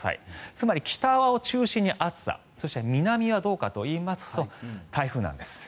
つまり北を中心に暑さそして南はどうかといいますと台風なんです。